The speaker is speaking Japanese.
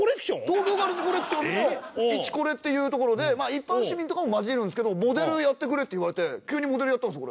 東京ガールズコレクションのイチコレっていうところで一般市民とかも交じるんですけど「モデルやってくれ」って言われて急にモデルやったんです